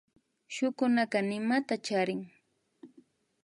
Shukunaka nimata charin